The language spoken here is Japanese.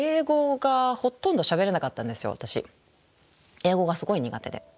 英語がすごい苦手で。